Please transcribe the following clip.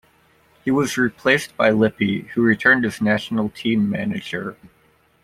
He was replaced by Lippi, who returned as national team manager.